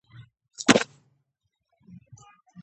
پیره داران یې له تاسونه تاو راتاو دي.